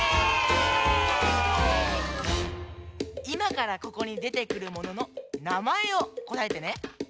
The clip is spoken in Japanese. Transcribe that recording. いまからここにでてくるもののなまえをこたえてね。